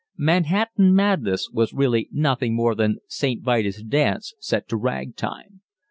"Manhattan Madness" was really nothing more than St. Vitus's dance set to ragtime.